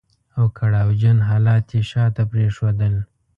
او کړاو جن حالات يې شاته پرېښودل.